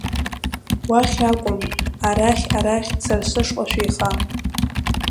Уахьакәым, арахь, арахь, сара сышҟа шәеиха!